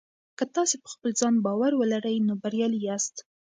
که تاسي په خپل ځان باور ولرئ نو بریالي یاست.